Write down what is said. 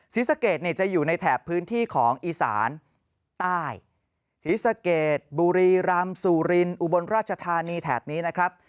ศรีสะเกดเนี่ยจะอยู่ในแถบพื้นที่ของอีสานใต้ศรีสะเกดบุรีรำสุรินอุบลราชธานีแถบนี้นะครับ